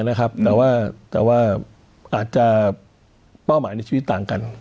นะครับแต่ว่าแต่ว่าอาจจะเป้าหมายในชีวิตต่างกัน